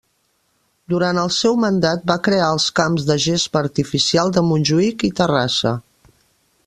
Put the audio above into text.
Durant el seu mandat va crear els camps de gespa artificial de Montjuïc i Terrassa.